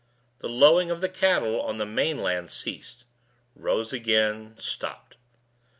The lowing of the cattle on the main land ceased, rose again, stopped.